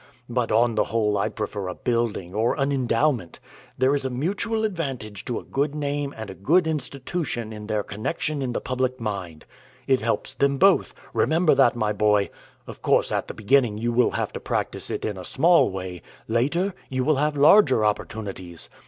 But on the whole I prefer a building, or an endowment. There is a mutual advantage to a good name and a good institution in their connection in the public mind. It helps them both. Remember that, my boy. Of course at the beginning you will have to practise it in a small way; later, you will have larger opportunities.